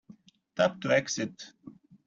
Tap to exit.